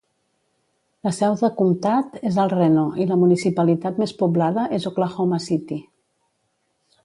La seu de comtat és El Reno i la municipalitat més poblada és Oklahoma City.